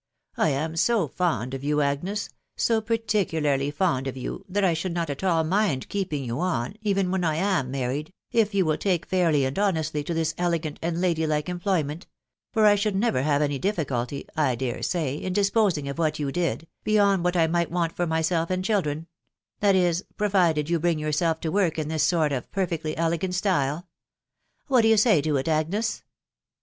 I am so fond of you, Agnes, so particularly fond of you* that I should not at all mind keeping you on, even when I am married, if yarn will take fairly and honestly to this elegant and lady like emr ployment, .„ Jbr I should taemeT Ywwe «na| &Sto*\\q,'V wdi8pmiago£ mheA you 4id,%wywA vV^^to^1 108 THE WIDOW BARNABY. for myself and children — that is, provided you bring your self to work in this sort of perfectly elegant style. What d'ye say to it, Agnes